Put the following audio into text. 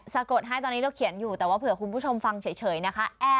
กดให้ตอนนี้เราเขียนอยู่แต่ว่าเผื่อคุณผู้ชมฟังเฉยนะคะ